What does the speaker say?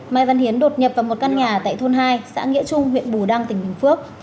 mai văn hiến đột nhập vào một căn nhà tại thôn hai xã nghĩa trung huyện bù đăng tỉnh bình phước